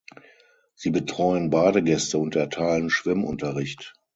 Sie betreuen Badegäste und erteilen Schwimmunterricht.